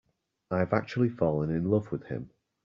I've actually fallen in love with him.